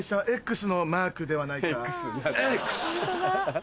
Ｘ。